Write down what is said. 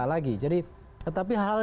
lagi jadi tetapi hal